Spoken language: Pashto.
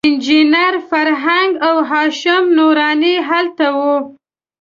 انجینر فرهنګ او هاشم نوراني هلته وو.